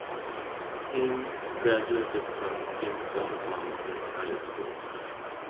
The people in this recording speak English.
Heim graduated from Kennesaw Mountain High School.